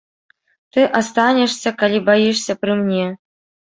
Ты астанешся, калі баішся, пры мне.